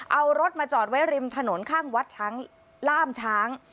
เอารถมาจอดไว้ริมถนนข้างวัดช้างล่ามช้าง